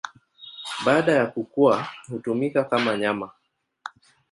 Baada ya kukua hutumika kama nyama.